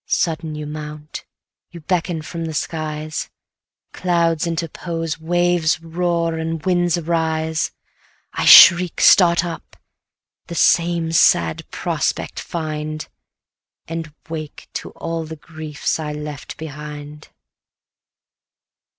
Sudden you mount, you beckon from the skies; Clouds interpose, waves roar, and winds arise. I shriek, start up, the same sad prospect find, And wake to all the griefs I left behind.